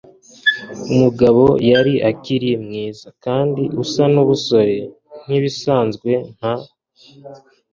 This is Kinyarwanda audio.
umugabo yari akiri mwiza kandi usa nubusore nkibisanzwe - nta